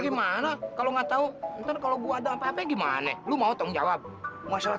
gimana kalau enggak tahu ntar kalau gua ada apa apa gimana lu mau tanggungjawab masalah